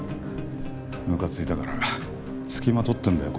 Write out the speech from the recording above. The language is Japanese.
むかついたから付きまとってるんだよ